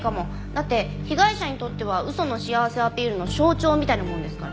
だって被害者にとっては嘘の幸せアピールの象徴みたいなものですから。